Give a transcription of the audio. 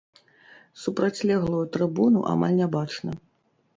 Супрацьлеглую трыбуну амаль не бачна.